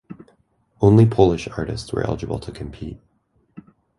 Only Polish artists were eligible to compete.